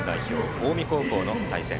・近江高校の試合。